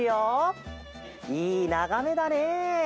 いいながめだね！